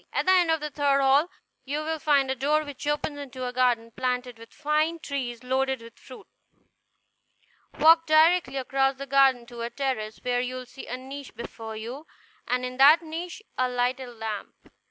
At the end of the third hall, you will find a door which opens into a garden, planted with fine trees loaded with fruit. Walk directly across the garden to a terrace, where you will see a niche before you, and in that niche a lighted lamp.